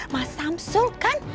mas samsul kan